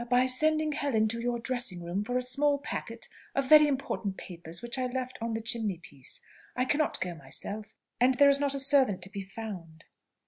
by sending Helen to your dressing room for a small packet of very important papers which I left on the chimney piece. I cannot go myself; and there is not a servant to be found."